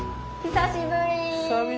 久しぶり！